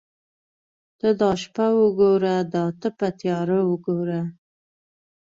ته دا شپه وګوره دا تپه تیاره وګوره.